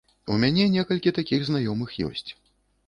У мяне некалькі такіх знаёмых ёсць.